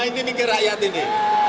ini mikir rakyat ini